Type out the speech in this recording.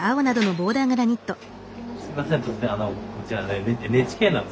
すみません